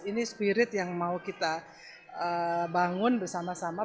ini spirit yang mau kita bangun bersama sama